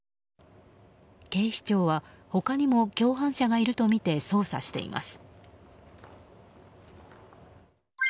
警視庁は他にも共犯者がいるとみて捜査しています。